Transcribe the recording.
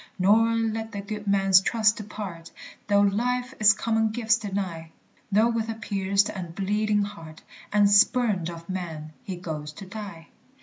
Nor let the good man's trust depart, Though life its common gifts deny, Though with a pierced and bleeding heart, And spurned of men, he goes to die.